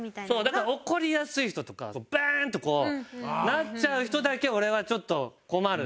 だから怒りやすい人とかバーンとなっちゃう人だけ俺はちょっと困る。